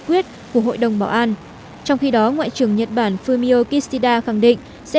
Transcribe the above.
quyết của hội đồng bảo an trong khi đó ngoại trưởng nhật bản fumio kishida khẳng định sẽ